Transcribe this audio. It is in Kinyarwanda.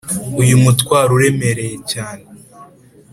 uyumutwaro uremereye cyane,